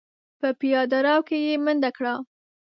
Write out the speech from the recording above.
په پياده رو کې يې منډه کړه.